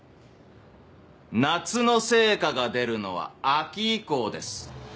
夏の成果が出るのは秋以降です。